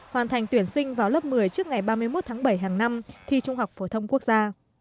hoàn thành tuyển sinh vào lớp một mươi trước ngày ba mươi một tháng bảy hàng năm thi trung học phổ thông quốc gia